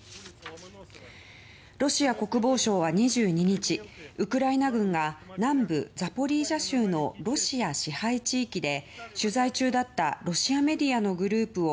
ロシア国防省は２２日ウクライナ軍が南部のザポリージャでロシア支配地域で取材中だったロシアメディアグループを